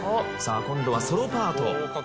さあ今度はソロパート。